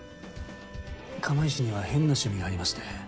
釜石には変な趣味がありまして。